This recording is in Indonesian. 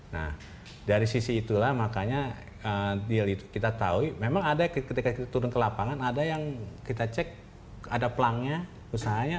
nah dari sisi itulah makanya kita tahu memang ada ketika kita turun ke lapangan ada yang kita cek ada pelangnya usahanya